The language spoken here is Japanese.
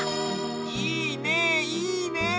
いいねいいね。